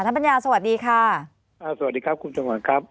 ปัญญาสวัสดีค่ะอ่าสวัสดีครับคุณจังหวัดครับ